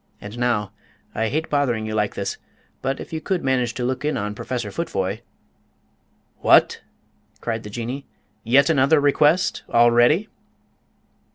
And now I hate bothering you like this, but if you could manage to look in on Professor Futvoye " "What!" cried the Jinnee, "yet another request? Already!"